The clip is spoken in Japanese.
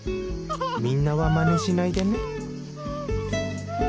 みんなはまねしないでね